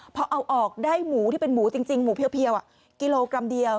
พอเอาออกได้หมูที่เป็นหมูจริงหมูเพียวกิโลกรัมเดียว